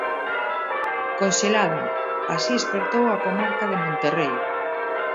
Conxelada, así espertou a comarca de Monterrei.